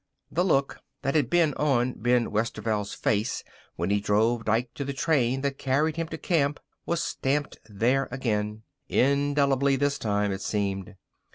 The look that had been on Ben Westerveld's face when he drove Dike to the train that carried him to camp was stamped there again indelibly this time, it seemed.